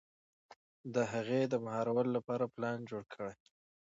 د هغې د مهارولو لپاره پلان جوړ کړي.